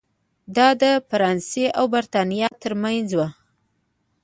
دا د فرانسې او برېټانیا ترمنځ و.